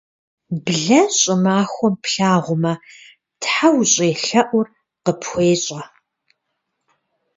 Блэ щӏымахуэм плъагъумэ, тхьэ ущӏелъэӏур къыпхуещӏэ.